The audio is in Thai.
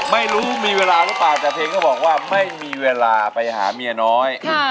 ไม่รู้มีเวลาหรือเปล่าแต่เพลงก็บอกว่าไม่มีเวลาไปหาเมียน้อย